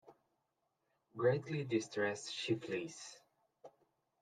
Greatly distressed, she flees.